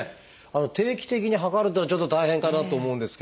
定期的に測るっていうのはちょっと大変かなと思うんですけれど。